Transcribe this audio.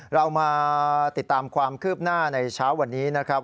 เรามาติดตามความคืบหน้าในเช้าวันนี้นะครับ